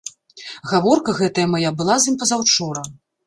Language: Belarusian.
Гаворка гэтая мая была з ім пазаўчора.